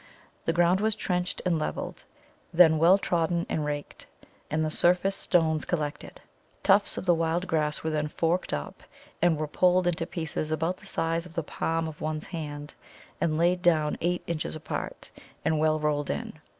The ground was trenched and levelled, then well trodden and raked, and the surface stones collected. Tufts of the wild grass were then forked up, and were pulled into pieces about the size of the palm of one's hand, and laid down eight inches apart, and well rolled in.